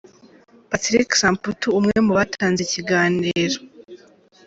Patrick Samputu umwe mu batanze ikiganiro.